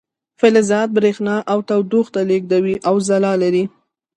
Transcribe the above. فلزات بریښنا او تودوخه لیږدوي او ځلا لري.